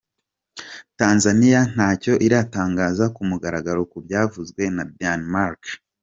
Tanzania ntacyo iratangaza ku mugaragaro ku byavuzwe na Denmark.